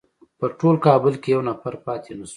په ټول کابل کې یو نفر پاتې نه شو.